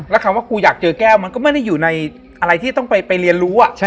แล้วคำว่ากูอยากเจอแก้วมันก็ไม่ได้อยู่ในอะไรที่ต้องไปเรียนรู้